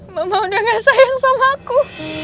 mama udah gak sayang sama aku